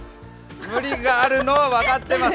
無理があるのは分かってます。